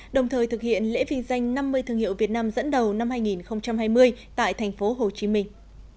đồng thời thực hiện lễ viên danh năm mươi thương hiệu việt nam dẫn đầu năm hai nghìn hai mươi tại thành phố hồ chí minh